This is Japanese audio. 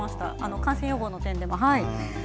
感染予防の点でも。